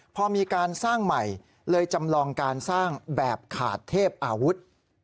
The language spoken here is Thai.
พอมีการสร้างใหม่เลยจำลองการสร้างแบบขาดเทพอาวุธ